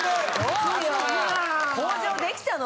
向上できたの？